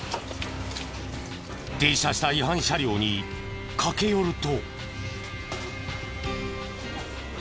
停車した違反車両に駆け寄ると。